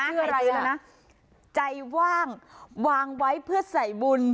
ชื่ออะไรแล้วนะใจว่างวางไว้เพื่อใส่บุญ